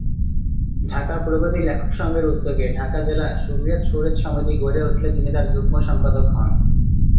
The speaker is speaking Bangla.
ঢাকা প্রগতি লেখক সংঘের উদ্যোগে ঢাকা জেলা "সোভিয়েত সুহৃদ সমিতি" গড়ে উঠলে তিনি তার যুগ্ম সম্পাদক হন।